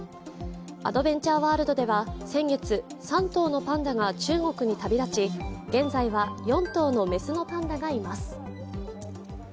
アドベンチャーワールドでは先月、３頭のパンダが中国に旅立ち現在は４頭の雌のパンダがいます。